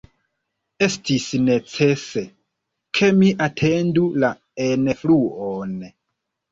Estis necese, ke mi atendu la enfluon.